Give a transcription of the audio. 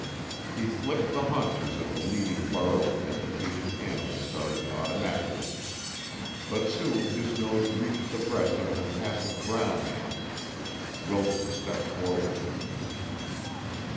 He flicked the haunches of the leading burro and the patient animal started automatically. But soon his nose reached the breast of an impassive brown man. Wilson stepped forward.